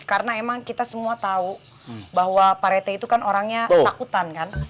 karena emang kita semua tahu bahwa pak rt itu kan orangnya takutan kan